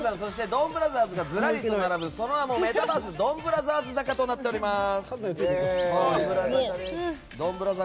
ドンブラザーズがずらりと並ぶその名もメタバースドンブラザーズ坂となっております。